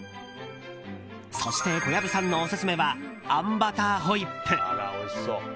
そして小籔さんのオススメはあんバターホイップ。